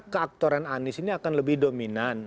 keaktoran anies ini akan lebih dominan